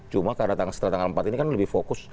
cuma setelah tanggal empat ini kan lebih fokus